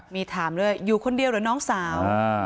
มีถามเลยอยู่คนเดียวหรือน้องสาว